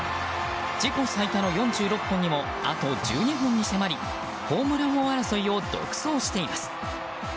自己最多の４６本にもあと１２本に迫りホームラン王争いを独走しています。